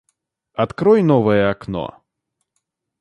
Открой новое окно